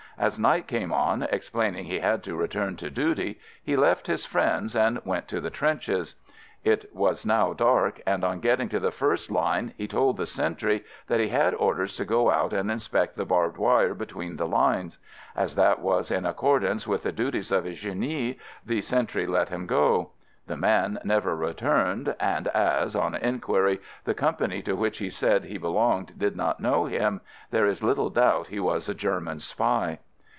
As night came on, explaining he had to return to duty, he left his friends and went to the trenches. It was now dark and on getting to the first line, he told the sentry that he had orders to go out and inspect the barbed wire between the lines. As that was in accordance with the duties of a genie, the sentry let him go. The man never returned, and as, on inquiry, the company to which he said he belonged did not know him, there is little doubt he was a German spy.